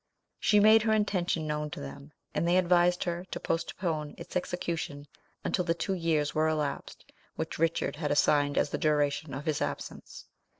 She made her intention known to them, and they advised her to postpone its execution, until the two years were elapsed which Richard had assigned as the duration of his absence.